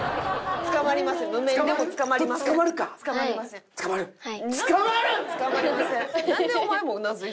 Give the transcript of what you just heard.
捕まりません。